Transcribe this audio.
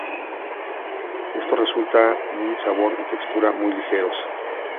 Esto resulta en un sabor y textura muy ligeros.